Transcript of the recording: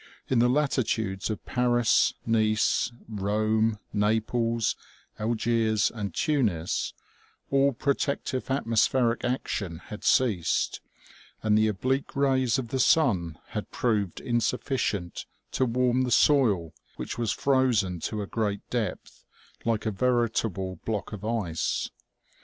In the latitudes of Paris, Nice, Rome, Naples, Algiers and Tunis, all protective atmos pheric action had ceased, and the oblique rays of the sun had proved insufficient to warm the soil which was frozen to a great depth, like a veritable block of ice.